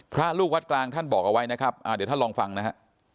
พระลูกวัดกลางท่านบอกเอาไว้นะครับเดี๋ยวท่านลองฟังนะฮะ